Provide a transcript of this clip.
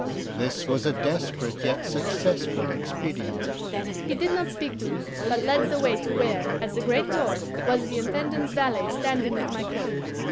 This was a desperate yet successful expedient.' "He did not speak to me, but led the way to where, at the great door, was the Intendant's valet standing with my cloak.